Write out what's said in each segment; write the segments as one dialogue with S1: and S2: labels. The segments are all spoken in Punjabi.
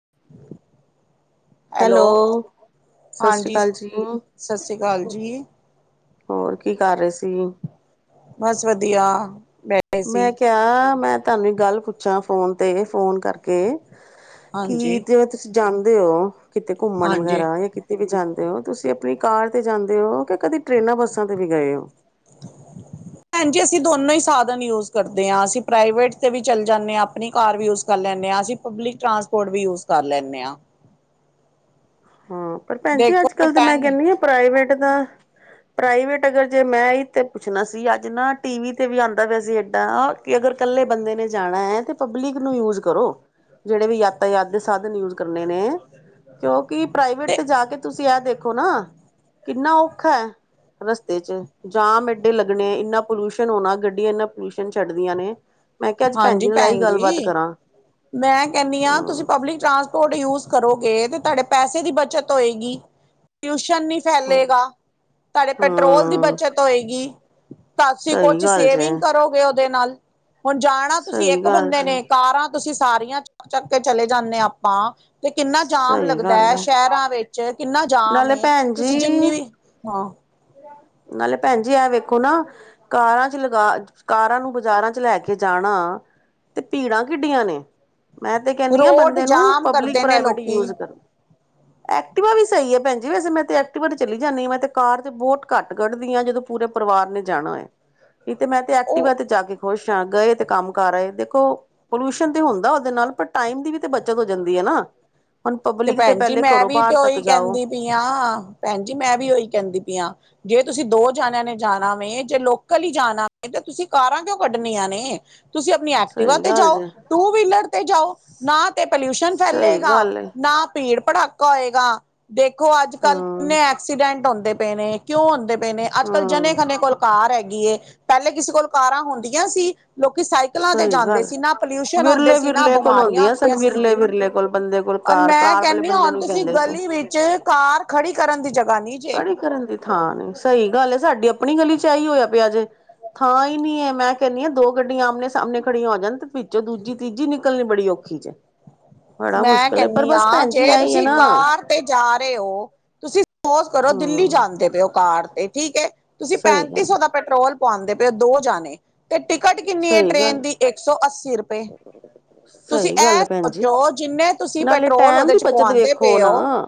S1: [inaudible]
S2: ਹੈਲੋ, ਸਸਰੀ
S1: ਹਾਂਜੀ
S2: ਕਾਲ ਜੀ।
S1: ਸਤਿ ਸ੍ਰੀ ਅਕਾਲ ਜੀ
S2: ਹੋਰ ਕੀ ਕਰ ਰਹੇ ਸੀ?
S1: ਬਸ ਵਧੀਆ, ਬੈ
S2: ਮੈਂ ਕਿਹਾ ਮੈਂ ਤੁਹਾਨੂੰ ਇੱਕ ਗੱਲ ਪੁੱਛਾਂ ਫੋਨ ਤੇ ਫੋਨ ਕਰਕੇ। ਕਿ
S1: ਹਾਂਜੀ
S2: ਜਦੋ ਤੁਸੀਂ ਜਾਂਦੇ ਹੋ ਕਿਤੇ ਘੁੰਮਣ
S1: ਹਾਂਜੀ
S2: ਵਗੈਰਾ ਜਾਂ ਕਿਤ- ਤੇ ਵੀ ਜਾਂਦੇ ਹੋ, ਤੁਸੀਂ ਆਪਣੀ ਕਾਰ ਤੇ ਜਾਂਦੇ ਹੋ ਕਿ ਕਦੇ ਟ੍ਰਰੇਨਾਂ ਬੱਸਾਂ ਤੇ ਵੀ ਗਏ ਹੋ?
S1: [inaudible] ਹਾਜੀ, ਅਸੀਂ ਦੋਨੋ ਹੀ ਸਾਧਨ ਯੂਜ ਕਰਦੇ ਹਾਂ ਅਸੀਂ ਪ੍ਰਾਈਵੇਟ ਤੇ ਵੀ ਚੱਲ ਜਾਂਣੇ ਆ, ਆਪਣੀ ਕਾਰ ਵੀ ਯੂਸ ਕਰ ਲੈਂਣੇ ਆ, ਅਸੀਂ ਪਬਲਿਕ ਟਰਾਂਸਪੋਰਟ ਵੀ ਯੂਜ ਕਰ ਲੈਂਣੇ ਆ।
S2: ਹਾਂ, ਪਰ ਭੈਣ ਜੀ
S1: ਦੇਖੋ
S2: ਅੱਜ-ਕੱਲ ਤੇ ਮੈਂ
S1: ਭੈਣ
S2: ਕਹਿੰਣੀ ਆ ਪ੍ਰਾਈਵੇਟ ਦਾ ਪ੍ਰਾਈਵੇਟ ਅਗਰ ਜੇ ਮੈਂ ਇਹੀ ਤੇ ਪੁੱਛਣਾ ਸੀ, ਅੱਜ ਨਾ ਟੀ ਵੀ ਤੇ ਵੀ ਆਂਦਾ ਪਿਆ ਸੀ ਏਦਾਂ ਕਿ ਅਗਰ ਇਕੱਲੇ ਬੰਦੇ ਨੇ ਜਾਣੈ ਤੇ ਪਬਲਿਕ ਨੂੰ ਯੂਜ ਕਰੋ। ਜਿਹੜੇ ਵੀ ਯਾਤਾਯਾਤ ਦੇ ਸਾਧਨ ਯੂਜ ਕਰਨੇ ਨੇ, ਕਿਉਂਕਿ ਪ੍ਰਾਈਵੇਟ ਤੇ ਜਾ ਕੇ ਤੁਸੀਂ ਇਹ ਦੇਖ ਦੇਖੋ ਨਾ, ਕਿੰਨਾ ਔਖਾ ਐ ਰਸਤੇ 'ਚ। ਜਾਮ ਏਡੇ ਲੱਗਣੇ ਇੰਨਾ ਪੋਲਿਊਸ਼ਨ ਹੋਣਾ ਗੱਡੀਆਂ ਇਨਾਂ ਪੋਲਿਊਸ਼ਨ ਛੱਡਦੀਆਂ ਨੇਂ
S1: ਹਾਂਜੀ ਭੈਣ ਜੀ। ਮੈਂ ਕਹਿੰਨੀ ਹਾਂ ਤੁਸੀਂ ਪਬਲਿਕ ਟਰਾਂਸਪਰ ਪੋਰਟ ਕੋਡ ਯੂਜ ਕਰੋਗੇ ਤੇ ਤੁਹਾਡੇ ਪੈਸੇ ਦੀ ਬੱਚਤ ਹੋਏਗੀ। ਟਿਊਸ਼ਨ ਨੀਂ
S2: ਹਮ
S1: ਫੈਲੇਗਾ। ਤੁਹਾਡੇ ਪੈਟਰੋਲ ਦੀ
S2: ਹਮ
S1: ਬੱਚਤ ਹੋਏਗੀ। ਤਾਂਸੀਂ
S2: ਸਹੀ
S1: ਕੁਛ
S2: ਗੱਲ ਜੇ
S1: ਸੇਵਿੰਗ ਕਰੋਗੇ ਉਹਦੇ ਨਾਲ ਹੁਣ ਜਾਣਾ ਤੁਸੀਂ
S2: ਸਹੀ
S1: ਇੱਕ
S2: ਗੱਲ
S1: ਬੰਦੇ
S2: ਜੀ
S1: ਨੇ ਕਾਰਾਂ ਤੁਸੀਂ ਸਾਰੀਆਂ ਚ ਚੱਕ-ਚੱਕ ਕੇ ਚਲੇ ਜਾਂਨੇ ਆਪਾਂ ਤੇ ਕਿੰਨਾ ਜਾਮ
S2: ਸਹੀ
S1: ਲੱਗਦਾ
S2: ਗੱਲ
S1: ਹੈ ਸ਼ਹਿਰਾਂ 'ਚ ਕਿੰਨਾਂ
S2: ਨਾਲੇ
S1: ਏ,
S2: ਭੈਣ
S1: ਤੁਸੀਂ
S2: ਜੀ
S1: ਜਿੰਨੀ ਵੀ ਹਾਂ।
S2: ਨਾਲੇ ਭੈਣ ਜੀ ਐ ਵੇਖੋ ਨਾਂ ਕਾਰਾਂ'ਚ ਲਗਾ ਕਾਰਾਂ ਨੂੰ ਬਾਜ਼ਾਰਾਂ'ਚ ਲੈ ਕੇ ਜਾਣਾ ਤੇ ਭੀੜਾਂ ਕਿੱਡੀਆਂ ਨੇ। ਮੈਂ ਤੇ ਕਹਿੰਨੀ ਹਾਂ
S1: ਰੋਡ
S2: ਬੰਦੇ ਨੂੰ
S1: ਜਾਮ
S2: ਪਬਲਿਕ
S1: ਕਰਦੇ ਨੇ
S2: ਪ੍ਰਾਈਵੇਟ
S1: ਲੋਕੀ
S2: ਯੂਜ ਕਰਨ, ਐਕਟਵਾ ਵੀ ਸਹੀ ਹੈ ਭੈਣ ਜੀ ਵੈਸੇ ਮੈਂ ਤੇ ਐਕਟੀਵਟ ਚਲੀ ਜਾਂਨੀ ਹਾਂ। ਮੈਂ ਤੇ ਕਾਰ ਤੇ ਬਹੁਤ ਘੱਟ ਕੱਢਦੀ ਹਾਂ। ਜਦੋਂ ਪੂਰੇ ਪਰਵਾਰ ਨੇ ਜਾਣਾ ਹੋਏ। ਨਹੀਂ ਤੇ ਮੈਂ ਤੇ
S1: ਉਹ
S2: ਐਕਟਿਵਾ ਤੇ ਜਾ ਕੇ ਖੁਸ਼ ਹਾਂ ਗਏ ਤੇ ਕੰਮ ਕਰ ਆਏ ਦੇਖੋ ਪੋਲਿਊਸ਼ਨ ਤੇ ਹੁੰਦਾ ਉਹਦੇ ਨਾਲ ਪਰ ਟਾਈਮ ਦੀ ਵੀ ਤੇ ਬੱਚਤ ਹੋ ਜਾਂਦੀ ਹੈ ਨਾਂ। ਹੁਣ ਪਬਲਿਕ ਤੇ
S1: ਭੈਣ ਜੀ
S2: ਪਹਿਲੇ
S1: ਮੈਂ
S2: ਘਰੋਂ
S1: ਵੀ ਤੇ
S2: ਬਾਹਰ ਤੱਕ
S1: ਉਹੀ
S2: ਜਾਓ
S1: ਕਹਿੰਦੀ ਪਈ ਆ ਭੈਣ ਜੀ, ਮੈਂ ਵੀ ਉਹੀ ਕਹਿੰਦੀ ਪਈ ਹਾਂ। ਜੇ ਤੁਸੀਂ ਦੋ ਜਾਣਿਆਂ ਨੇ ਜਾਣਾ ਵੇ ਜੇ ਲੋਕਲ ਹੀ ਜਾਣਾ ਵ ਤਾਂ ਤੁਸੀਂ ਕਾਰਾਂ ਕਿਉ ਕੱਢਣੀਆਂ ਨੇ। ਤੁਸੀਂ ਆਪਣੀ ਐਕਟੀਿਵਾ
S2: ਸਹੀ
S1: ਤੇ
S2: ਗੱਲ
S1: ਜਾਓ
S2: ਜੇ
S1: ਟੂ ਵੀਲਰ ਤੇ ਜਾਓ ਨਾਂ ਤੇ ਪੋਲਿਊਸ਼ਨ
S2: ਸਹੀ
S1: ਫੈਲੇਗਾ
S2: ਗੱਲ ਏ
S1: ਨਾਂ ਭੀੜ ਭੜਾਕਾ ਹੋਏਗਾ [inaudible] ਦੇਖੋ ਅੱਜ-ਕੱਲ੍ਹ
S2: ਹੂੰ
S1: ਕਿੰਨੇ ਐਕਸੀਡੈਂਟ ਹੁੰਦੇ ਪਏ ਨੇ ਕਿਉਂ ਹੁੰਦੇ ਪਏ ਨੇ ਅੱਜ-ਕੱਲ੍ਹ ਜਣੇ
S2: ਹੂੰ
S1: ਖਨੇ ਕੋਲ ਕਾਰ ਹੈਗੀ ਏ, ਪਹਿਲੇ ਕਿਸੇ ਕੋਲ ਕਾਰਾਂ ਹੁੰਦੀਆਂ ਸੀ। ਲੋਕੀ ਸਾਈਕਲਾਂ ਤੇ
S2: ਸਹੀ
S1: ਜਾਂਦੇ
S2: ਗੱਲ
S1: ਸੀ, ਨਾਂ ਪੋਲਿਊਸ਼ਨ ਹੁੰਦੇ
S2: ਵਿਰਲੇ
S1: ਸੀ ਨਾਂ, ਬਿਮਾਰੀਆਂ ਹੁੰਦੀਆਂ ਸੀ।
S2: ਕੁੱਲ ਬੰਦੇ ਕੋਲ
S1: ਔਰ
S2: ਕਾਰ
S1: ਮੈਂ
S2: ਕਾਰ ਵਾਲੇ
S1: ਕਹਿੰਨੀ ਹਾਂ
S2: ਬੰਦੇ
S1: ਹੁਣ
S2: ਨੂੰ
S1: ਤੁਸੀਂ
S2: ਕਹਿੰਦੇ ਸੀ
S1: ਗਲੀ ਵਿੱਚ ਕਾਰ ਖੜੀ ਕਰਨ ਦੀ ਜਗ੍ਹਾ ਨੀਂ ਜੇ
S2: ਖੜੀ ਕਰਨ ਦੀ ਥਾਂ ਨਹੀਂ ਸਹੀ ਗੱਲ ਏ ਸਾਡੀ ਆਪਣੀ ਗਲੀ'ਚ ਆਹੀ ਹੋਇਆ ਪਿਆ ਜੇ ਥਾਂ ਹੀ ਨਹੀਂਏ ਮੈਂ ਕਹਿੰਨੀ ਹਾਂ ਦੋ ਗੱ- ਡੀਆਂ ਆਮਣੇ-ਸਾਹਮਣੇ ਖੜੀਆਂ ਹੋ ਜਾਣ ਤੇ ਵਿੱਚੋਂ ਦੂਜੀ ਤੀਜੀ ਨਿਕਲਣੀ ਬੜੀ ਔਖੀ ਜੇ। ਬੜਾ
S1: ਮੈਂ
S2: ਮੁਸ਼ਕਿਲ ਏ ਪਰ
S1: ਕਹਿੰਨੀ
S2: ਬਸ
S1: ਹਾਂ
S2: ਭੈਣ ਜੀ
S1: ਜੇ
S2: ਆਈ ਹੈ
S1: ਤੁਸੀਂ
S2: ਨਾ
S1: ਕਾਰ ਤੇ ਜਾ ਰਹੇ ਹੋ। ਫੋਸ ਕਰੋ ਦਿੱਲੀ
S2: ਹੂੰ
S1: ਜਾਂਦੇ ਪਏਓ ਕਾਰ ਤੇ ਠੀਕ ਹੈ ਤੁਸੀਂ
S2: ਸਹੀ
S1: ਪੈਂਤੀ
S2: ਗੱਲ
S1: ਸੌ ਦਾ ਪੈਟਰੋਲ ਪਾਉਂਦੇ ਪਏ ਉਹ ਦੋ ਜਾਣੇ। ਤੇ ਟਿਕਟ ਕਿੰਨੀ ਏ
S2: ਸਹੀ
S1: ਟ੍ਰੇਨ
S2: ਗੱਲ
S1: ਦੀ ਇੱਕ ਸੌ ਅੱਸੀ ਰੁਪਏ, ਤੁਸੀਂ
S2: ਸਹੀ ਗੱਲ
S1: ਐ
S2: ਹੈ ਭੈਣ ਜੀ
S1: ਸੋਚੋ ਜਿੰਨੇ ਤੁਸੀਂ
S2: ਨਾਲੇ
S1: ਪੈਟਰੋਲ
S2: ਟੈਮ ਦੀ
S1: ਉਹਦੇ'ਚ
S2: ਬੱਚਤ
S1: ਪਵਾਉਂਦੇ
S2: ਵੇਖੋ
S1: ਪਏ ਹੋ
S2: ਨਾ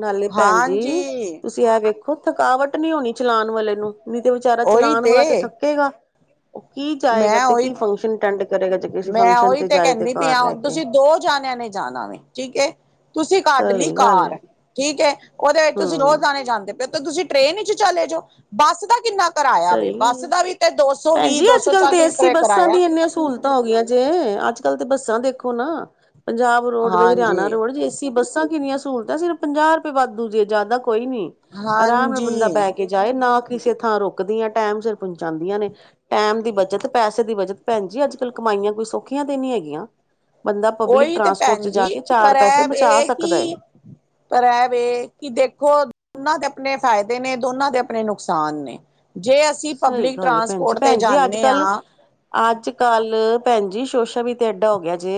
S2: ਨਾਲੇ ਭੈਣ ਜੀ
S1: ਹਾਂਜੀ
S2: ਤੁਸੀਂ ਇਹ ਵੇਖੋ ਥਕਾਵਟ ਨਹੀਂ ਹੋਣੀ ਚਲਾਨ ਵਾਲੇ ਨੂੰ ਨਹੀਂ ਤੇ ਵਿਚਾਰਾ ਚਲਾਾਨ ਵਾਲਾ ਤੇ ਥੱ- ਕੇਗਾ। ਉਹ ਕੀ ਜਾਏਗਾ
S1: ਮੈਂ
S2: ਤੇ
S1: ਉਹੀ
S2: ਕੀ ਫੰਕਸ਼ਨ ਅਟੈਂਡ ਕਰੇਗਾ ਜੇ ਕਿਸੇ
S1: ਮੈਂ
S2: ਫੰਕਸ਼ਨ
S1: ਉਹੀ ਤੇ
S2: ਜਾਏ
S1: ਕਹਿੰਦੀ ਪਈ
S2: ਕਾਰ ਲੈ
S1: ਹ
S2: ਕੇ
S1: ਤੁਸੀਂ ਦੋ ਜਾਣਿਆਂ ਨੇ ਜਾਣਾ ਵ ਠੀਕ ਐ। ਤੁਸੀਂ ਕੱਢ ਲਈ
S2: ਸਹੀ ਗੱਲ
S1: ਕਾਰ
S2: ਹੈ,
S1: ਠੀਕ ਹੈ ਉਹਦੇ ਵਿੱਚ ਤੁਸੀਂ ਦੋ
S2: ਹਮ
S1: ਜਾਣੇ ਜਾਂਦੇ ਪਏ ਤੇ ਤੁਸੀਂ ਟ੍ਰੇਨ ਵਿੱਚ ਚਲੇ ਜਾਓ। ਬੱਸ ਦਾ ਕਿੰਨਾਂ ਕਰਇਆ ਵੇ
S2: ਸਹੀ ਗੱਲ
S1: ਬੱਸ ਦਾ ਵੀ ਤੇ ਦੋਸੌ
S2: ਭੈਣ
S1: -ਵੀਹ,
S2: ਜੀ ਅੱਜ
S1: ਦੋਸੌ
S2: ਕੱਲ੍ਹ ਤੇ
S1: ਚਾਲੀ
S2: ਏਸੀ
S1: ਰੁਪਏ
S2: ਬੱਸਾਂ ਦੀ
S1: ਕਰਾਇਆ।
S2: ਇੰਨੀਆਂ ਸਹੂਲਤਾਂ ਹੋ ਗੀਆਂ ਜੇ ਅੱਜ-ਕੱਲ੍ਹ ਤੇ ਬੱਸਾਂ ਦੇਖੋ ਨਾ, ਪੰਜਾਬ ਰੋਡਵੇਜ਼, ਹਰਿਆਣਾ
S1: ਹਾਂਜੀ
S2: ਰੋਡ ਜੇ ਅਸੀਂ ਤੇ ਬੱਸਾਂ ਕਿੰਨੀਆਂ ਸਹੂਲਤਾਂ ਸਿਰਫ ਪੰਜਾਹ ਰੁਪਏ ਵਾਧੂ ਜੇ ਜ਼ਿਆਦਾ ਕੋਈ ਨੀਂ ਆਰਾਮ ਨਾਲ ਬੰਦਾ
S1: ਹਾਂਜੀ
S2: ਬਹਿ ਕੇ ਨਾ ਕਿਸੇ ਥਾਂ ਰੁਕਦੀਆਂ ਟਾਈਮ ਸਿਰ ਪਹੁੰਚਾਉਂਦੀਆਂ ਨੇ, ਟਾਈਮ ਦੀ ਬੱਚਤ, ਪੈਸੇ ਦੀ ਬੱਚਤ ਭੈਣਜੀ ਅੱਜ-ਕੱਲ੍ਹ ਕਮਾਈਆਂ ਕੋਈ ਸੌਖੀਆਂ ਤੇ ਨਹੀਂ ਹੈਗੀਆਂ। ਬੰਦਾ ਪਬਲਿਕ
S1: ਉਹੀ ਤੇ
S2: ਟ੍ਰਾਂਸਪੋਰਟ'ਚ
S1: ਭੈਣ
S2: ਜਾ
S1: ਜੀ
S2: ਕੇ ਚਾਰ
S1: ਪਰ
S2: ਪੈਸੇ
S1: ਇਹ
S2: ਬਚਾ
S1: ਵੇ
S2: ਸਕਦਾ ਹੈ।
S1: ਕਿ ਪਰ ਐ ਵੇ, ਕਿ ਦੇਖੋ ਦੋਨਾਂ ਦੇ ਆਪਣੇ ਫਾਇਦੇ ਨੇ, ਦੋਨਾਂ ਦੇ ਆਪਣੇ ਨੁਕਸਾਨ ਨੇ ਜੇ ਅਸੀਂ
S2: ਸਹੀ
S1: ਪਬਲਿਕ
S2: ਗੱਲ
S1: ਟਰਾਂਸਪੋਰਟ ਤੇ ਜਾਂਨੇ ਹਾਂ
S2: ਅੱਜ-ਕੱਲ੍ਹ ਭੈਣ ਜੀ ਸ਼ੋਸ਼ਾ ਵੀ ਤੇ ਏਡਾ ਹੋ ਗਿਆ ਜੇ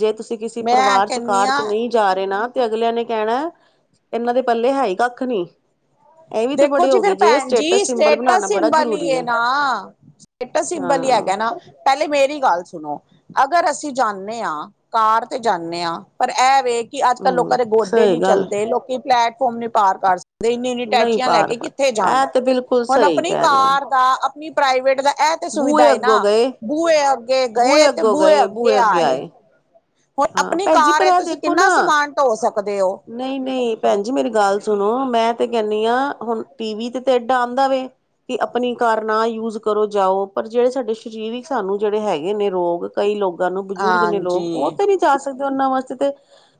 S2: ਜੇ ਤੁਸੀਂ ਕਿਸੀ
S1: ਮੈਂ
S2: ਪਰਿਵਾਰ'ਚ
S1: ਕਹਿੰਦੀ
S2: ਕਾਰ'ਚ
S1: ਹਾਂ
S2: ਨਹੀਂ ਜਾ ਰਹੇ ਨਾ ਤੇ ਅਗਲਿਆਂ ਨੇ ਕਹਿਣਾ, ਇਹਨਾਂ ਦੇ ਪੱਲੇ ਹੈ ਹੀ ਕੱਖ ਨੀ। ਇਹ ਵੀ ਤੇ
S1: ਦੇਖੋ
S2: ਬੜੇ
S1: ਜੀ
S2: ਹੋ
S1: ਫਿਰ
S2: ਗਏ ਜੇ
S1: ਭੈਣ ਜੀ
S2: ਸਟੇਟਸ ਸਿੰਬਲ
S1: ਸਟੇਟਸ
S2: ਬਣਾਉਣਾ ਬੜਾ
S1: ਸਿੰਬਲ ਹੀ
S2: ਜ਼ਰੂਰੀ
S1: ਹੈ ਨਾ, ਸਟੇਟਸ ਸਿੰਬਲ ਹੀ
S2: ਹਾਂ
S1: ਹੈਗਾ ਨਾ ਪਹਿਲੇ ਮੇਰੀ ਗੱਲ ਸੁਣੋ। ਅਗਰ ਅਸੀਂ ਜਾਂਦੇ ਹਾਂ, ਕਾਰ ਤੇ ਜਾਂਦੇ ਹਾਂ, ਪਰ ਇਹ ਵੇ ਕਿ ਅੱਜ -ਕੱਲ ਲੋਕਾਂ
S2: ਹਮ
S1: ਦੇ ਗੋਡੇ
S2: ਸਹੀ
S1: ਨੀ
S2: ਗੱਲ
S1: ਚੱਲਦੇ ਲੋਕੀ ਪਲੈਟਫਾਰਮ ਨੀ ਪਾਰ ਕਰ ਸਕਦੇ ਇੰਨੀ ਇੰਨੀ
S2: ਨਹੀਂ
S1: ਟੈਚੀਆਂ ਲੈ
S2: ਪਾਰ
S1: ਕੇ
S2: ਪਾ
S1: ਕਿੱਥੇ ਜਾਣ,
S2: ਇਹ ਤੇ ਬਿਲਕੁਲ
S1: ਹੁਣ
S2: ਸਹੀ
S1: ਆਪਣੀ
S2: ਕਹਿ ਰਹੇ ਹੋ
S1: ਕਾਰ ਦਾ ਆਪਣੀ ਪ੍ਰਾਈਵੇਟ ਦਾ ਇਹ
S2: ਬੂਹੇ ਅੱਗੋ ਗਏ।
S1: ਬੂਏ ਅੱਗੇ
S2: ਬੂਹੇ ਅੱਗੋਂ ਗਏ, ਬੂਹੇ ਅੱਗੇ ਆਏ।
S1: ਹੁਣ
S2: ਹਾਂ
S1: ਆਪਣੀ
S2: ਭੈਣ ਜੀ
S1: ਕਾਰ
S2: ਪਰ
S1: ਐ ਤੁਸੀਂ ਕਿੰਨਾ ਸਮਾਨ ਢੋਅ ਸਕਦੇ ਹੋ।
S2: ਨਹੀਂ -ਨਹੀਂ ਭੈਣ ਜੀ ਮੇਰੀ ਗੱਲ ਸੁਣੋ ਮੈਂ ਤੇ ਕਹਿੰਦੀ ਹਾਂ ਹੁਣ ਟੀ ਵੀ ਤੇ ਏਡਾ ਆਉਂਦਾ ਵੇ ਕਿ ਆਪਣੀ ਕਾਰ ਨਾ ਯੂਜ ਕਰੋ ਜਾਓ, ਪਰ ਜਿਹੜੇ ਸਾਡੇ ਸਰੀਰਕ ਸਾਨੂੰ ਜਿਹੜੇ ਹੈਗੇ ਨੇ ਰੋਗ ਕਈ ਲੋਕਾਂ ਨੂੰ ਬਜ਼ੁਰਗ ਨੇ ਲੋਕ ਉਹ
S1: ਹਾਂਜੀ
S2: ਤੇ ਨਹੀਂ ਜਾ ਸਕਦੇ ਉਹਨਾਂ ਵਾਸਤੇ ਤੇ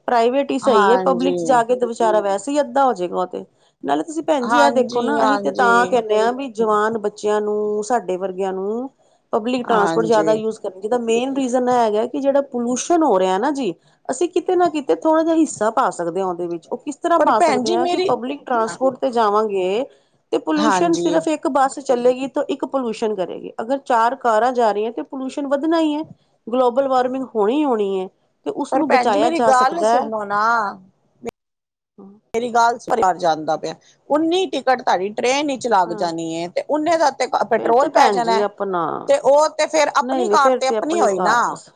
S2: ਪ੍ਰਾਈਵੇਟ ਸਹੀ ਹੈ ਪਬਲਿਕ ਚ
S1: ਹਾਂਜੀ
S2: ਜਾ ਕੇ ਤੇ ਵਿਚਾਰਾ ਵੈਸੇ ਅੱਧਾ ਹੋਜੇਗਾ ਉਹ ਤੇ, ਨਾਲੇ ਤੁਸੀਂ ਭੈਣ ਜੀ ਆ ਦੇਖੋ
S1: ਹਾਂਜੀ,
S2: ਨਾ ਅਸੀਂ ਤੇ ਤਾਂ
S1: ਹਾਂਜੀ,
S2: ਕਹਿੰਦੇ ਹਾਂ ਵੀ ਜਵਾਨ ਬੱਚਿਆਂ ਨੂੰ, ਸਾਡੇ ਵਰਗਿਆਂ ਨੂੰ, ਪਬਲਿਕ ਟਰਾਂਸਪੋਰਟ ਜ਼ਿਆਦਾ
S1: ਹਾਂਜੀ
S2: ਯੂਜ ਜਿਹਦਾ ਮੇਨ ਰੀਜ਼ਨ ਇਹ ਹੈਗਾ ਕਿ ਜਿਹੜਾ ਪੋਲੂਸ਼ਨ ਹੋ ਰਿਹਾ ਨਾ ਜੀ, ਅਸੀਂ ਕਿਤੇ ਨਾ ਕਿਤੇ ਥੋੜਾ ਜਿਹਾ ਹਿੱਸਾ ਪਾ ਸਕਦੇ ਹਾਂ ਉਹਦੇ ਵਿੱਚ ਉਹ ਕਿਸ ਤਰ੍ਹਾਂ
S1: ਪਰ
S2: ਪਾ
S1: ਭੈਣ
S2: ਸਕਦੇ
S1: ਜੀ
S2: ਆ ਕਿ
S1: ਮੇਰੀ
S2: ਪਬਲਿਕ ਟ੍ਰਾਂਸਪੋਰਟ ਤੇ ਜਾਵਾਂਗੇ ਤੇ ਪੋਲਊਸ਼ਨ
S1: ਹਾਂਜੀ
S2: ਸਿਰਫ ਇੱਕ ਇੱਕ ਬੱਸ ਚੱਲੇਗੀ ਤਾਂ ਇੱਕ ਪੋਲਿਊਸ਼ਨ ਕਰੇਗੀ ਅਗਰ ਚਾਰ ਕਾਰਾਂ ਜਾ ਰਹੀਆਂ ਤੇ ਪੋਲਿਊਸ਼ਨ ਵਧਣਾ ਹੀ ਹੈ। ਗਲੋਬਲ ਵਾਰਮਿੰਗ ਹੋਣੀ -ਹੋਣੀ ਹੈ। ਤੇ
S1: ਪਰ
S2: ਉਸਨੂੰ
S1: ਭੈਣ ਜੀ
S2: ਬਚਾਇਆ
S1: ਮੇਰੀ
S2: ਜਾ
S1: ਗੱਲ
S2: ਸਕਦਾ ਹੈ
S1: ਸੁਣੋ ਨਾ ਮੇਰੀ ਗੱਲ ਸਰਾਰ [unintelligible] ਜਾਂਦਾ ਪਿਆ ਉੱਨੀ ਟਿਕਟ ਤੁਹਾਡੀ ਟ੍ਰੇਨ ਲਗ
S2: ਹਾਂ
S1: ਜਾਣੀ ਹੈ ਤੇ ਉਹੇ ਦਾ ਤੇ
S2: ਫੇਰ ਤੇ
S1: ਪੈਟਰੋਲ ਪੈ
S2: ਭੈਣ ਜੀ
S1: ਜਾਣਾ
S2: ਆਪਣਾ
S1: ਤੇ ਉਹ ਤੇ ਫੇਰ
S2: ਨਹੀਂ
S1: ਆਪਣੀ
S2: ਨਹੀਂ
S1: ਕਾਰ
S2: ਫੇਰ
S1: ਤੇ ਆਪਣੀ ਹੋਈ
S2: ਕਾਰ
S1: ਨਾ
S2: ਦੱਸ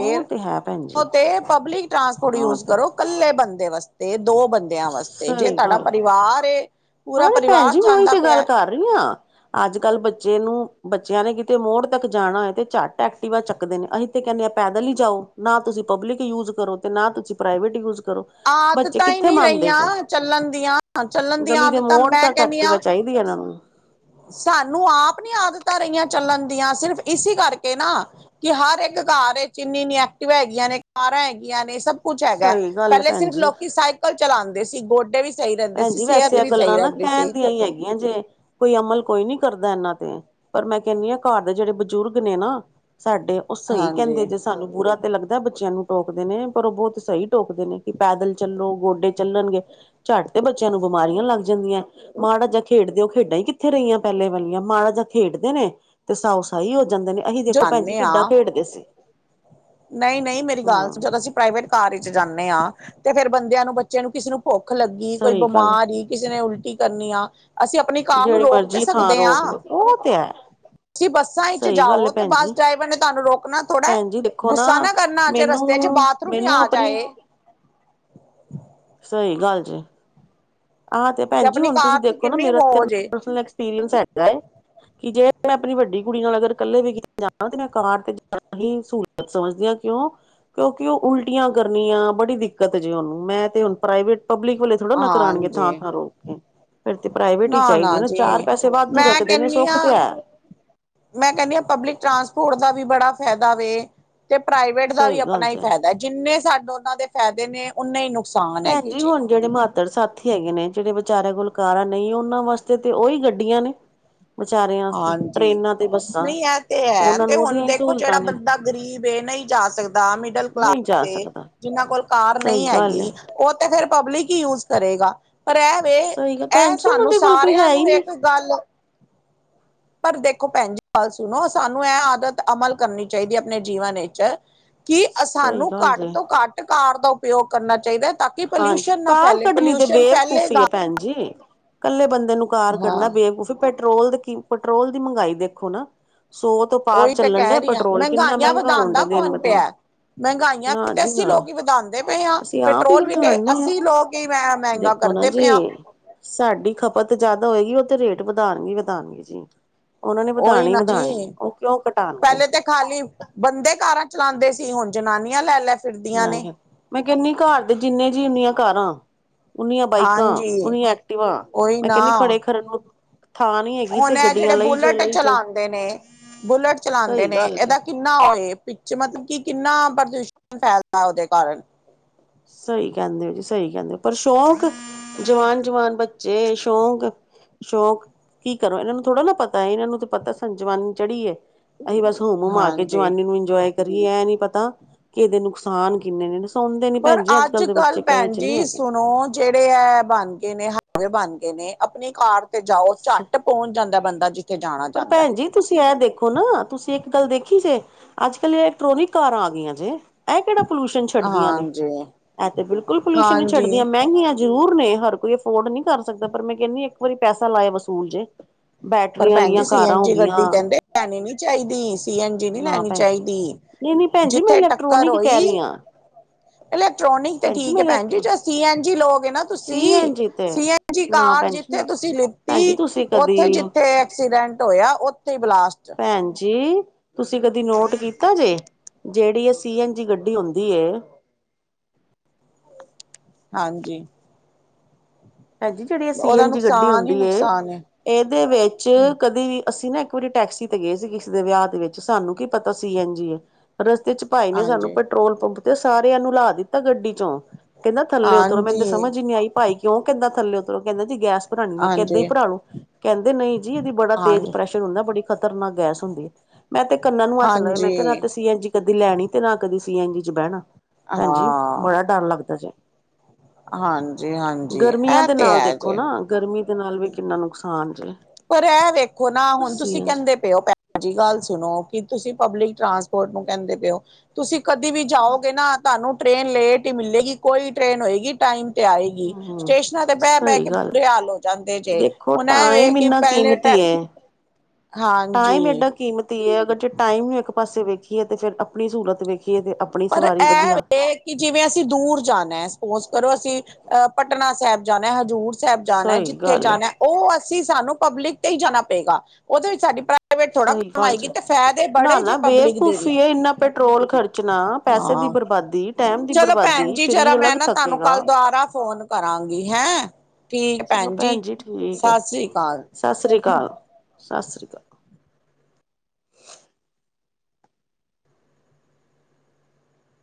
S2: ਉਹ ਤੇ ਹੈ ਭੈਣ
S1: ਉਹ
S2: ਜੀ
S1: ਤੇ ਪਬਲਿਕ ਟ੍ਰਾਂਸਪੋਰਟ
S2: ਉਹ
S1: ਯੂਜ
S2: ਤੇ
S1: ਕਰੋ। ਇਕੱਲੇ ਬੰਦੇ ਵਾਸਤੇ, ਦੋ ਬੰਦਿਆਂ ਵਾਸਤੇ ਜੇ ਤੁਹਾਡਾ ਪਰਿਵਾਰ ਏ ਪੂਰਾ
S2: ਹੋਰ ਭੈਣ
S1: ਪਰਿਵਾਰ
S2: ਜੀ, ਮੈਂ ਉਹੀ
S1: ਜਾਂਦਾ
S2: ਤੇ ਗੱਲ
S1: ਪਿਆ
S2: ਕਰ ਰਹੀ ਹਾਂ। ਅੱਜ -ਕੱਲ੍ਹ ਬੱਚੇ ਨੂੰ ਬੱ, ਚਿਆਂ ਨੇ ਕਿਤੇ ਮੋੜ ਤੱਕ ਜਾਣਾ ਹੈ ਤੇ ਝੱਟ ਐਕਟਿਵਾ ਚੱਕਦੇ ਨੇ ਅਸੀਂ ਤੇ ਕਹਿੰਦੇ ਆ ਪੈਦਲ ਹੀ ਜਾਓ ਨਾ ਤੁਸੀਂ ਪਬਲਿਕ ਯੂਜ ਕਰੋ ਅਤੇ ਨਾ ਤੁਸੀਂ ਪ੍ਰਾਈਵੇਟ ਯੂਜ ਕਰੋ। ਬੱਚੇ
S1: ਆਦਤਾਂ ਈ
S2: ਕਿੱਥੇ
S1: ਨੀ
S2: ਮੰਨਦੇ ਜੇ
S1: ਰਹੀਆਂ ਚੱਲਣ ਦੀਆਂ, ਚੱਲਣ ਦੀਆਂ ਆਦਤਾਂ ਮੈਂ ਕਹਿੰਦੀ ਹਾਂ
S2: ਵਧੀਆ ਇਹਨਾਂ ਨੂੰ
S1: ਸਾਨੂੰ ਆਪ ਨੀ ਆਦਤਾਂ ਰਹੀਆਂ ਚੱਲਣ ਦੀਆਂ ਸਿਰਫ ਇਸ ਕਰਕੇ ਨਾ ਕਿ ਹਰ ਇੱਕ ਘਰ ਵਿੱਚ ਇੰਨੀ -ਇੰਨੀ ਐਕਟਿਵਾ ਹੈਗੀਆਂ ਨੇ, ਕਾਰਾਂ ਹੈਗੀਆਂ ਨੇ ਸਭ ਕੁਛ ਹੈਗਾ,
S2: ਸਹੀ ਗੱਲ ਹੈ
S1: ਪਹਿਲੇ
S2: ਭੈਣ
S1: ਸਿਰਫ
S2: ਜੀ
S1: ਲੋਕੀ ਸਾਈਕਲ ਚਲਾਉਂਦੇ ਸੀ ਗੋਡੇ ਵੀ ਸਹੀ ਰਹਿੰਦੇ ਸੀ
S2: ਭੈਣਜੀ ਵੈਸੇ
S1: ਸਿਹਤ
S2: ਇਹ
S1: ਵੀ ਸਹੀ
S2: ਗੱਲਾਂ ਨਾ
S1: ਰਹਿੰਦੀ
S2: ਕਹਿਣ
S1: ਸੀ
S2: ਦੀਆਂ ਹੀ ਹੈਗੀਆਂ ਜੇ। ਕੋਈ ਅਮਲ ਕੋਈ ਨੀ ਕਰਦਾ ਇਹਨਾਂ ਤੇ। ਪਰ ਮੈਂ ਕਹਿੰਦੀ ਹਾਂ ਘਰ ਦੇ ਜਿਹੜੇ ਬਜ਼ੁਰਗ ਨੇ ਨਾ ਸਾਡੇ ਉਹ ਸਹੀ
S1: ਹਾਂਜੀ
S2: ਕਹਿੰਦੇ ਜ ਸੀ। ਸਾਨੂੰ ਬੁਰਾ ਤੇ ਲੱਗਦਾ ਬੱਚਿਆਂ ਨੂੰ ਟੋਕਦੇ ਨੇ। ਪਰ ਉਹ ਬਹੁਤ ਸਹੀ ਟੋਕਦੇ ਨੇ ਕਿ ਪੈਦਲ ਚੱਲੋ। ਗੋਡੇ ਚੱਲਣਗੇ ਝੱਟ ਤੇ ਬੱਚਿਆਂ ਨੂੰ ਬਿਮਾਰੀਆਂ ਲੱਗ ਜਾਂਦੀਆਂ ਆ। ਮਾੜਾ ਜ ਖੇਡਦੇ ਨੇ ਉਹ ਖੇਡਾਂ ਹੀ ਕਿੱਥੇ ਰਹੀਆਂ ਪਹਿਲੇ ਵਾਲੀਆਂ। ਮਾੜਾ ਜਾ ਖੇਡਦੇ ਨੇ ਤੇ ਸਾਊ -ਸਾਹੀ ਹੋ ਜਾਂਦੇ ਨੇ। ਅਸੀਂ ਦੇਖੋ ਭੈਣਜੀ
S1: ਜਾਂਦੇ
S2: ਕਿੱਡਾ
S1: ਹਾਂ
S2: ਖੇਡਦੇ ਸੀ।
S1: ਨਹੀਂ- ਨਹੀਂ ਮੇਰੀ ਗੱਲ ਸੁਣੋ।
S2: ਹਾਂ
S1: ਜਦੋਂ ਅਸੀਂ ਪ੍ਰਾਈਵੇਟ ਕਾਰ 'ਚ ਜਾਂਮੇਰੀ ਆ। ਤੇ ਫਿਰ ਬੰਦਿਆਂ ਨੂੰ ਬੱਚੇ ਨੂੰ ਕਿਸੇ ਨੂੰ ਭੁੱਖ ਲੱਗੀ ਕੋਈ
S2: ਸਹੀ ਗੱਲ
S1: ਬਿਮਾਰ ਹੀ ਕਿਸੇ ਨੇ ਉਲਟੀ ਕਰਨੀ ਆ। ਅਸੀਂ ਅਸੀਂ ਆਪਣੀ ਕਾਰ ਨੂੰ
S2: ਜਿਹੜੀ
S1: ਰੋਕ ਤੇ
S2: ਮਰਜ਼ੀ ਥਾਂ
S1: ਸਕਦੇ ਆ।
S2: ਰੋਕ ਲਓ ਉਹ ਤੇ ਹੈ
S1: ਤੁਸੀਂ ਬੱਸਾਂ 'ਚ
S2: ਸਹੀ ਗੱਲ
S1: ਜਾਓ
S2: ਹੈ
S1: ਤੇ
S2: ਭੈਣ
S1: ਬੱਸ
S2: ਜੀ
S1: ਡਰਾਈਵਰ ਨੇ ਤੁਹਾਨੂੰ ਰੋਕਣਾ ਥੋੜ੍ਹਾ।
S2: ਭੈਣ ਜੀ ਦੇਖੋ
S1: ਗੁੱਸਾ ਨਾ ਕਰਨਾ ਜੇ
S2: ਮੈਨੂੰ
S1: ਰਸਤੇ 'ਚ ਬਾਥਰੂਮ ਈ
S2: ਮੈਨੂੰ
S1: ਆ
S2: ਆਪਣੀ
S1: ਜਾਏ।
S2: ਸਹੀ ਗੱਲ ਜੇ। ਆਹ ਤੇ ਭੈਣ ਜੀ
S1: ਆਪਣੀ
S2: ਹੁਣ
S1: ਕਾਰ
S2: ਤੁਸੀਂ
S1: ਤੇ
S2: ਦੇਖੋ
S1: ਕਿੰਨੀ
S2: ਮੇਰਾ ਤੇ
S1: ਮੌਜ ਏ
S2: ਕਸਟਮਰ ਦਾ ਐਕਸਪੀਰੀਐਂਸ ਹੈਗਾ ਏ। ਕਿ ਜੇ ਮੈਂ ਆਪਣੀ ਵੱਡੀ ਕੁੜੀ ਨਾਲ ਅਗਰ ਕੱਲੇ ਵੀ ਕਿਤੇ ਜਾਣਾ। ਤੇ ਮੈਂ ਕਾਰ ਤੇ ਜਾਣਾ ਹੀ ਸੂਲਤ ਜ ਸਮਝਦੀ ਆ ਕਿਉਂ ਕਿਉਂਕਿ ਉਹ ਉਲਟੀਆਂ ਕਰਨੀਆਂ ਬੜੀ ਦਿੱਕਤ ਜੇ ਉਹਨੂੰ। ਮੈਂ ਤੇ ਹੁਣ ਪਬਲਿਕ ਵਾਲੇ ਥੋੜਾ ਨਾ ਕਰਾਂਣਗੇ।
S1: ਹਾਂਜੀ
S2: ਰੋ ਫਿਰ ਤੇ ਪ੍ਰਾਈਵੇਟ ਹੀ ਚਾਹੀਦੀ ਐ ਨਾ। ਚਾਰ
S1: ਜੀ
S2: ਪੈਸੇ ਵਾਧੂ
S1: ਮੈਂ
S2: ਰੱਖਦੇ ਨੇ
S1: ਕਹਿੰਨੀ
S2: ਸੁੱਖ
S1: ਆ
S2: ਤੇ ਐ।
S1: ਮੈਂ ਕਹਿੰਣੀ ਆ ਪਬਲਿਕ ਟਰਾਂਸਪੋਰਟ ਦਾ ਵੀ ਬੜਾ ਫ਼ਾਇਦਾ ਵੇ। ਤੇ ਪ੍ਰਾਈਵੇਟ ਦਾ ਵੀ
S2: ਸਹੀ ਗੱਲ
S1: ਆਪਣਾ ਹੀ
S2: ਚ
S1: ਫਾਇਦਾ। ਜਿੰਨੇ ਸਾਡੇ ਉਹਨਾਂ ਦੇ ਫਾਇਦੇ ਨੇ ਉਨੇ ਈ ਨੁਕਸਾਨ ਹੈਗੇ ਜੇ।
S2: ਪੱਤਰ ਸਾਥੀ ਹੈਗੇ ਨੇ। ਜਿਹੜੇ ਵਿਚਾਰਿਆਂ ਕੋਲ ਕਾਰਾਂ ਨਹੀਂ ਉਹਨਾਂ ਵਾਸਤੇ ਤੇ ਉਹੀ ਗੱਡੀਆਂ ਨੇ। ਵਿਚਾਰਿਆਂ ਵਾਸਤੇ
S1: ਹਾਂਜੀ,
S2: ਟਰੇਨਾਂ ਤੇ ਬੱਸਾਂ
S1: ਨਹੀਂ ਇਹ ਤੇ ਐ
S2: ਉਹਨਾਂ
S1: ਤੇ
S2: ਨੂੰ
S1: ਹੁਣ
S2: ਉਹਦੀਆਂ ਹੀ
S1: ਦੇਖੋ ਜਿਹੜਾ
S2: ਸਹੂਲਤਾਂ ਨੇ
S1: ਬੰਦਾ ਗ਼ਰੀਬ ਏ ਨਹੀਂ ਜਾ ਸਕਦਾ ਮਿਡਲ
S2: ਨਹੀਂ
S1: ਕਲਾਸ
S2: ਜਾ
S1: ਤੇ
S2: ਸਕਦਾ
S1: ਜਿਹਨਾਂ ਕੋਲ ਕਾਰ
S2: ਸਹੀ
S1: ਨਹੀਂ
S2: ਗੱਲ
S1: ਹੈਗੀ।
S2: ਹੈ
S1: ਉਹ ਤੇ ਫਿਰ ਪਬਲਿਕ ਹੀ ਯੂਜ ਕਰੇਗਾ। ਪਰ ਇਹ ਵੇ
S2: ਸਹੀ ਗੱਲ
S1: ਇਹ
S2: ਭੈਣ ਜੀ ਉਹਨਾਂ
S1: ਸਾਨੂੰ
S2: ਦੇ ਕੋਲ ਕੋਈ
S1: ਸਾਰਿਆਂ
S2: ਹੈ ਹੀ
S1: ਨੂੰ
S2: ਨਹੀਂ
S1: ਇੱਕ ਗੱਲ ਪਰ ਦੇਖੋ ਭੈਣ ਜੀ ਗੱਲ ਸੁਣੋ ਸਾਨੂੰ ਇਹ ਆਦਤ ਅਮਲ ਕਰਨੀ ਚਾਹੀਦੀ ਐ। ਆਪਣੇ ਜੀਵਨ ਵਿੱਚ ਕੀ ਆਸਾ
S2: ਸਹੀ
S1: ਨੂੰ
S2: ਗੱਲ
S1: ਘੱਟ
S2: ਜੇ
S1: ਤੋਂ ਘੱਟ ਕਾਰ ਦਾ ਉਪਯੋਗ ਕਰਨਾ ਚਾਹੀਦਾ। ਤਾਂ ਕੀ
S2: ਹਾਂਜੀ
S1: ਪੋਲਿਊਸ਼ਨ ਨਾ
S2: ਕਾਰ
S1: ਫੈਲੇ।
S2: ਕੱਢਣੀ ਤੇ
S1: ਪੋਲਿਊਸਨ
S2: ਬੇਵਕੂਫੀ
S1: ਫੈਲੇਗਾ
S2: ਹੈ ਭੈਣ ਜੀ ਇਕੱਲੇ ਬੰਦੇ ਨੂੰ ਕਾਰ ਕੱਢਣਾ
S1: ਹਾਂ
S2: ਬੇਵਕੂਫੀ ਪੈਟਰੋਲ ਦੇ ਕੀ ਪੈਟਰੋਲ ਦੀ ਮਹਿੰਗਾਈ ਦੇਖੋ ਨਾ। ਸੌ ਤੋਂ ਪਾਰ
S1: ਉਹੀ ਤਾਂ
S2: ਚੱਲਣ
S1: ਕਹਿ
S2: ਡਿਆ
S1: ਰਹੀ ਹਾਂ
S2: ਪੈਟਰੋਲ ਕਿੰਨਾ
S1: ਮਹਿੰਗਾਈਆਂ
S2: ਮਹਿੰਗਾ ਹੋਣ
S1: ਵਧਾਉਂਦਾ
S2: ਡਿਆ ਦਿਨ
S1: ਕੌਣ
S2: ਬ ਦਿਨ।
S1: ਪਿਆ ਮਹਿੰਗਾਈਆਂ
S2: ਨਾ
S1: ਵੀ ਤੇ
S2: ਜੀ
S1: ਅਸੀਂ
S2: ਨਾ
S1: ਲੋਕ ਈ ਵਧਾਂਦੇ ਪਏ ਆ।
S2: ਅਸੀਂ ਆਪ
S1: ਪੈਟਰੋਲ
S2: ਹੀ
S1: ਹੋਰ ਵੀ ਤੇ
S2: ਵਧਾਣ ਡੇ ਆ
S1: ਅਸੀਂ ਲੋਕ ਹੀ ਮੈਂ ਮਹਿੰਗਾ
S2: ਦੇਖੋ ਨਾ
S1: ਕਰਦੇ
S2: ਜੀ
S1: ਪਏ ਆ।
S2: ਸਾਡੀ ਖਪਤ ਜਿਆਦਾ ਹੋਏਗੀ ਉਹ ਤੇ ਰੇਟ ਵਧਾਂਣਗੇ ਈ ਵਧਾਂਣਗੇ ਜੀ। ਉਹਨਾਂ ਨੇ
S1: ਉਹੀ
S2: ਵਧਾਣੇ ਈ ਵਧਾਣੇ ਨੇ ਉਹ ਕਿਉਂ ਘਟਾਂਣਗੇ।
S1: ਪਹਿਲੀ ਬੰਦੇ ਕਾਰਾਂ ਚਲਾਂਦੇ ਸੀ। ਹੁਣ ਜਨਾਨੀਆਂ ਲੈ- ਲੈ ਫਿਰਦੀਆਂ
S2: ਮੈਂ
S1: ਨੇ
S2: ਕਿਹਾ ਮੈਂ ਕਹਿੰਨੀ ਘਰ ਦੇ ਜਿੰਨੇ ਜੀਅ ਓਨੀਆਂ ਕਾਰਾ। ਉਨੀਆਂ ਬਾਈਕਾਂ,
S1: ਹਾਂਜੀ
S2: ਉਨੀਆਂ ਐਕਟਿਵਾ
S1: ਉਹੀ
S2: ਮੈਂ
S1: ਨਾ
S2: ਕਹਿੰਣੀ ਆ ਖੜੇ ਕਰਨ ਨੂੰ ਥਾਂ ਨਹੀਂ ਹੈਗੀ। ਤੇ
S1: ਹੁਣ ਇਹ
S2: ਗੱਡੀਆਂ
S1: ਜਿਹੜੇ
S2: ਲਈ ਜੋ
S1: ਬੁਲੇਟ
S2: ਲਈ ਜੋ
S1: ਚਲਾਂਦੇ ਨੇ। ਬੁਲੇਟ ਚਲਾਂਦੇ
S2: ਸਹੀ
S1: ਨੇ।
S2: ਗੱਲ ਜੇ
S1: ਇਹਦਾ ਕਿੰਨਾ ਉਹਏ ਪਿਚ ਮਤਲਬ ਕਿ ਕਿੰਨਾ ਪ੍ਰਦੂਸ਼ਣ ਫੈਲਦਾ ਉਹਦੇ ਕਾਰਨ।
S2: ਸਹੀ ਕਹਿੰਦੇ ਓ ਜੀ, ਸਹੀ ਕਹਿੰਦੇ ਓ। ਪਰ ਸ਼ੌਕ ਜਵਾਨ- ਜਵਾਨ ਬੱਚੇ ਸ਼ੌਂਕ ਸ਼ੌਕ ਕੀ ਕਰੂ ਇਹਨਾਂ ਨੂੰ ਥੋੜਾ ਨਾ ਪਤਾ। ਇਹਨਾਂ ਨੂੰ ਤਾਂ ਪਤਾ ਸਾਨੂੰ ਜਵਾਨੀ ਚੜ੍ਹੀਏ। ਅਸੀਂ ਬਸ ਹੁਮ- ਹਮਾ ਕੇ
S1: ਹਾਂਜੀ
S2: ਜਵਾਨੀ ਨੂੰ ਇੰਜੋਏ ਕਰੀਏ ਇਹ ਨੀ ਪਤਾ ਕਿ ਇਹਦੇ ਨੁਕਸਾਨ ਕਿੰਨੇ ਨੇ ਸੁਣਦੇ ਨੀ
S1: ਪਰ
S2: ਭੈਣ ਜੀ ਅੱਜ ਕੱਲ੍ਹ ਦੇ
S1: ਅੱਜ-ਕੱਲ੍ਹ
S2: ਬੱਚੇ ਕਹੇ
S1: ਭੈਣ
S2: ਚ ਨਹੀਂ
S1: ਜੀ
S2: ਹੈਗੇ
S1: ਸੁਣੋ। ਜਿਹੜੇ ਏ ਬਣ ਗਏ ਨੇ ਹਾਈਵੇ ਬਣ ਗਏ ਨੇ ਆਪਣੀ ਕਾਰ ਤੇ ਜਾਓ ਝੱਟ ਪਹੁੰਚ ਜਾਂਦਾ ਬੰਦਾ ਜਿੱਥੇ ਜਾਣਾ
S2: ਪਰ
S1: ਚਾਹਦਾ।
S2: ਭੈਣ ਜੀ ਤੁਸੀਂ ਐਂ ਦੇਖੋ ਨਾ ਤੁਸੀਂ ਇੱਕ ਗੱਲ ਦੇਖੀ ਜੇ ਅੱਜ-ਕੱਲ ਇਲੈਕਟ੍ਰੋਨਿਕ ਕਾਰਾਂ ਆ ਗਈਆਂ ਜੇ ਇਹ ਕਿਹੜਾ ਪੋਲਿਊਸ਼ਨ ਛੱਡਦੀਆਂ ਨੇ
S1: ਹਾਂਜੀ
S2: ਇਹ ਤੇ ਬਿਲਕੁਲ ਪੋਲਿਊਸ਼ਨ ਨਹੀਂ ਛੱਡਦੀਆਂ
S1: ਹਾਂਜੀ
S2: ਮਹਿੰਗੀਆਂ ਜ਼ਰੂਰ ਨੇ ਹਰ ਕੋਈ ਅਫੋਰਡ ਨਹੀਂ ਕਰ ਸਕਦਾ ਪਰ ਮੈਂ ਕਹਿੰਦੀ ਇੱਕ ਵਾਰੀ ਪੈਸਾ ਲਾਇਆ ਵਸੂਲ ਜੇ
S1: ਪਰ
S2: ਬੈਟਰੀਆਂ
S1: ਭੈਣ ਜੀ
S2: ਵਾਲੀਆਂ
S1: ਸੀ
S2: ਕਾਰਾਂ
S1: ਐਨ
S2: ਹੋ
S1: ਜੀ
S2: ਗਈਆਂ
S1: ਗੱਡੀ ਕਹਿੰਦੇ ਲੈਣੀ ਨੀ ਚਾਹੀਦੀ ਸੀ ਐਨ ਜੀ ਨਹੀਂ ਲੈਣੀ ਚਾਹੀਦੀ
S2: ਨਹੀਂ-ਨਹੀਂ ਭੈਣ ਜੀ ਮੈਂ
S1: ਜਿੱਥੇ ਟੱਕਰ
S2: ਇਲੈਕਟ੍ਰੋਨਿਕ
S1: ਹੋਈ
S2: ਕਹਿ ਰਹੀ ਹਾਂ।
S1: ਇਲੈਕਟ੍ਰੋਨਿਕ ਤੇ ਠੀਕ ਹੈ ਭੈਣ ਜੀ 'ਚ' ਸੀ ਐਨ ਜੀ ਲੋਗਏ ਨਾ
S2: ਸੀ
S1: ਤੁਸੀਂ
S2: ਐਨ ਜੀ ਤੇ
S1: ਸੀ ਐਨ ਜੀ
S2: ਨਾ
S1: ਕਾਰ
S2: ਭੈਣ ਜੀ
S1: ਜਿੱਥੇ
S2: ਨਾ
S1: ਤੁਸੀਂ
S2: ਭੈਣ ਜੀ
S1: ਲਿੱਤੀ
S2: ਤੁਸੀਂ ਕਦੀ
S1: ਉੱਥੇ ਜਿੱਥੇ ਐਕਸੀਡੈਂਟ ਹੋਇਆ ਉੱਥੇ ਹੀ ਬਲਾਸਟ
S2: ਭੈਣ ਜੀ ਤੁਸੀਂ ਕਦੀ ਨੋਟ ਕੀਤਾ ਜੇ ਜਿਹੜੀ ਇਹ ਸੀ ਐਨ ਜੀ ਗੱਡੀ ਹੁੰਦੀ ਐ
S1: ਹਾਂਜੀ।
S2: ਭੈਣ ਜੀ ਜਿਹੜੀ ਇਹ ਸੀ
S1: ਉਹਦਾ
S2: ਐਨ ਜੀ ਗੱਡੀ
S1: ਨੁਕਸਾਨ ਹੀ
S2: ਹੁੰਦੀ ਏ
S1: ਨੁਕਸਾਨ ਹੈ।
S2: ਇਹਦੇ ਵਿੱਚ
S1: ਹਮ
S2: ਕਦੇ ਵੀ ਅਸੀਂ ਨਾ ਇੱਕ ਪੂਰੀ ਟੈਕਸੀ ਤੇ ਗਏ ਸੀ ਕਿਸੇ ਦੇ ਵਿਆਹ ਦੇ ਵਿੱਚ ਸਾਨੂੰ ਕੀ ਪਤਾ ਸੀ ਐਨ ਜੀ ਆ। ਰਸਤੇ ਚ ਭਾਈ ਨੇ ਸਾਨੂੰ
S1: ਹਾਂਜੀ,
S2: ਪੈਟਰੋਲ ਪੰਪ ਤੇ ਸਾਰਿਆਂ ਨੂੰ ਲਾ ਦਿੱਤਾ ਗੱਡੀ ਚੋਂ। ਕਹਿੰਦਾ ਥੱਲੇ ਉਤਰੋ
S1: ਹਾਂਜੀ,
S2: ਮੈਨੂੰ ਸਮਝ ਹੀ ਨਹੀਂ ਆਈ ਭਾਈ ਕਿਉਂ ਕਹਿੰਦਾ ਥੇਲੇ ਉਤਰੋ ਕਹਿੰਦਾ ਜੀ, ਗੈਸ ਭਰਾਣੀ ਮੈਂ ਕਿਹਾ ਐਦਾਂ ਹੀ
S1: ਹਾਂਜੀ, ਹਾਂਜੀ,
S2: ਭਰਾਲੋ। ਕਹਿੰਦੇ ਨਈ ਜੀ ਇਹਦੀ ਬੜਾ ਤੇਜ਼
S1: ਹਾਂਜੀ।
S2: ਪ੍ਰੈਸ਼ਰ ਹੁੰਦਾ ਬੜੀ ਖ਼ਤਰਨਾਕ ਗੈਸ ਹੁੰਦੀ ਆ। ਮੈਂ ਤੇ ਕੰਨਾ ਨੂੰ ਹੱਥ ਲਾਏ ਮੈਂ ਕਿਹਾ ਸੀ ਐਨ ਜੀ ਕਦੀ ਲੈਣੀ ਤੇ ਨਾ ਕਦੀ ਸੀ ਐਨ ਜੀ ਚ ਬਹਿਣਾ ਭੈਣ ਜੀ
S1: ਹਾਂ,
S2: ਬੜਾ ਡਰ ਲੱਗਦਾ ਜੇ।
S1: ਹਾਂਜੀ ਹਾਂਜੀ।
S2: ਗਰਮੀਆਂ
S1: ਇਹ
S2: ਦੇ
S1: ਤੇ
S2: ਨਾਲ
S1: ਹੈ
S2: ਦੇਖੋ
S1: ਜੇ।
S2: ਨਾ ਗਰਮੀ ਦੇ ਨਾਲ ਵੀ ਕਿੰਨਾ ਨੁਕਸਾਨ ਜੇ।
S1: ਪਰ ਇਹ ਵੇਖੋ ਨਾ ਹੁਣ
S2: ਸੀ
S1: ਤੁਸੀਂ
S2: ਐਨ ਜੀ
S1: ਕਹਿੰਦੇ ਪਾਓ ਪੈ ਭੈਣ ਜੀ ਗੱਲ ਸੁਣੋ, ਕੀ ਤੁਸੀਂ ਪਬਲਿਕ ਟਰਾਂਸਪੋਰਟ ਨੂੰ ਕਹਿੰਦੇ ਪਏ ਹੋ? ਤੁਸੀਂ ਕਦੇ ਵੀ ਜਾਓਗੇ ਨਾ ਤੁਹਾਨੂੰ ਟ੍ਰੇਨ ਲੇਟ ਹੀ ਮਿਲੇਗੀ ਕੋਈ ਟ੍ਰੇਨ ਹੋਏਗੀ ਟਾਈਮ ਤੇ ਆਏਗੀ
S2: ਹੂੰ,
S1: ਸਟੇਸ਼ਨਾਂ ਤੇ ਬਹਿ-ਬਹਿ
S2: ਸਹੀ
S1: ਕੇ
S2: ਗੱਲ
S1: ਬੁੁਰੇ ਹਾਲ ਹੋ ਜਾਂਦੇ ਜੇ। ਹੁਣ ਐ ਇਹ ਕਿ ਪਹਿਲੇ ਟੈ
S2: ਤੀਐ ਟਾਈਮ
S1: ਹਾਂਜੀ।
S2: ਐਡਾ ਕੀਮਤੀ ਤੀ ਏ ਅਗਰ ਜੇ ਟਾਈਮ ਨੂੰ ਇੱਕ ਪਾਸੇ ਵੇਖੀਏ ਤੇ ਫੇਰ ਆਪਣੀ ਸਹੂਲਤ ਵੇਖੀਏ ਤੇ ਆਪ
S1: ਪਰ ਐ ਵੇ ਕਿ ਜਿਵੇਂ ਅਸੀਂ ਦੂਰ ਜਾਣਾ ਹੈ ਸਪੋਜ ਕਰੋ ਅਸੀਂ ਅਹ ਪਟਨਾ ਸਾਹਿਬ ਜਾਣਾ ਹਜ਼ੂਰ ਸਾਹਿਬ ਜਾਣਾ
S2: ਸਹੀ
S1: ਜਿੱਥੇ
S2: ਗੱਲ ਹੈ
S1: ਜਾਣਾ। ਉਹ ਅਸੀਂ ਸਾਨੂੰ ਪਬਲਿਕ ਤੇ ਹੀ ਜਾਣਾ ਪਏਗਾ ਉਹਦੇ ਵਿੱਚ ਸਾਡੀ ਭਾਵੇਂ ਥੋੜ੍ਹਾ
S2: ਸਹੀ ਗੱਲ
S1: ਕਮਾਏਗੀ
S2: ਚ
S1: ਤੇ ਫਾਇਦੇ
S2: ਨਾ
S1: ਬੜੇ ਜੇ
S2: ਨਾ
S1: ਪਬਲਿਕ ਦੇਗੀ।
S2: ਬੇਵਕੂਫੀ ਹੈ ਇੰਨਾ ਪੈਟਰੋਲ ਖਰਚਣਾ, ਪੈਸੇ ਦੀ ਬਰਬਾਦੀ, ਟਾਈਮ ਦੀ ਬਰਬਾਦੀ, ਸਰੀਰ ਅਲੱਗ ਥੱਕੇਗਾ।
S1: ਸਾਰਾ ਫੋਨ ਕਰਾਂਗੀ ਹੈ। ਠੀਕ ਭੈਣ ਜੀ। ਸ਼ਸੀ ਕਾਲ।
S2: ਸ਼ਸ਼ਰੀ ਕਾਲ। ਸ਼ਸਰੀ ਕਾਲ।